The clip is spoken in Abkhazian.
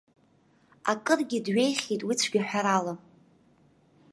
Акыргьы дҩеихьеит уи цәгьаҳәарала.